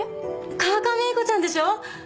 川上英子ちゃんでしょ？